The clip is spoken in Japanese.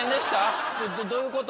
どどういうこと？